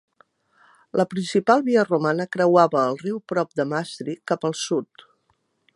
La principal via romana creuava el riu prop de Maastricht, cap al sud.